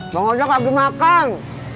bang ojak lagi makan